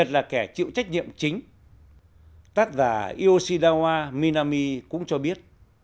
tác giả ioshidawa minami cũng cho biết